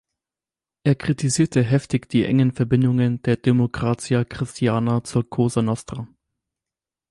Er kritisierte heftig die engen Verbindungen der Democrazia Cristiana zur Cosa Nostra.